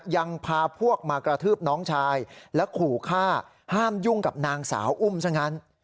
ยังพาพวกมากระทืบน้องชายและขู่ฆ่าห้ามยุ่งกับนางสาวอุ้มซะงั้น